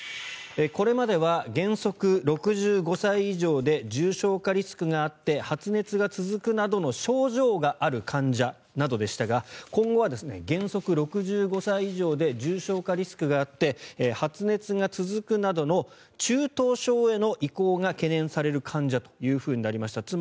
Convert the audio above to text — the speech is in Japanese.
これまでは原則６５歳以上で重症化リスクがあって発熱が続くなどの症状がある患者などでしたが今後は原則６５歳以上で重症化リスクがあって発熱が続くなどの中等症への移行が懸念される患者というふうになりました。